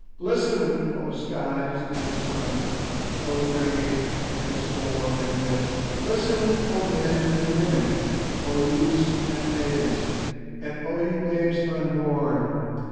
Listen, O skies and sun, O rain and storm and mist! Listen, O men and women, O youths and maidens, and O ye babes unborn!